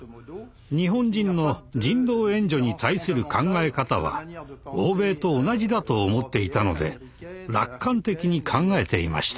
日本人の人道援助に対する考え方は欧米と同じだと思っていたので楽観的に考えていました。